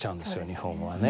日本語はね。